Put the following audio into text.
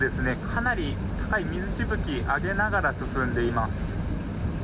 かなり高い水しぶきを上げながら進んでいます。